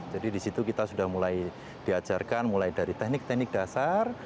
jadi disitu kita sudah mulai diajarkan mulai dari teknik teknik dasar